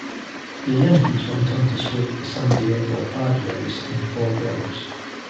The Yankees went on to sweep the San Diego Padres in four games.